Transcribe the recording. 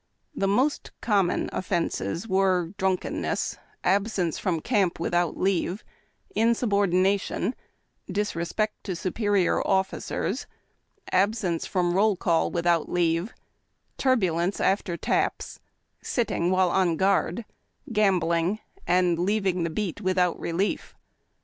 The most common offences were drunkenness, absence from camp without leave, insubordination, disrespect to superior officers, absence from roll call without leave, turbu lence after taps, sitting while on guard, gambling, and leaving the beat without relief.